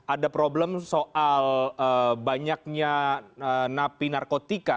ada problem soal banyaknya napi narkotika